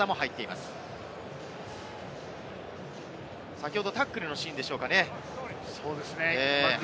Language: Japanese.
先ほどタックルのシーンでしょうかね。